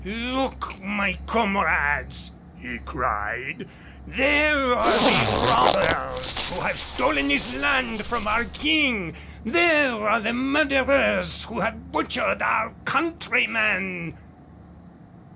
"Look! my comrades!" he cried, "there are the robbers who have stolen this land from our King; there are the murderers who have butchered our countrymen!"